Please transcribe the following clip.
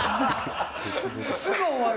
すぐ終わる。